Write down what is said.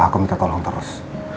aku minta tolong terus